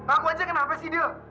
aku aja kenapa sih dia